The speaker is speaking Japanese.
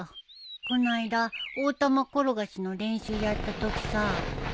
この間大玉転がしの練習やったときさ。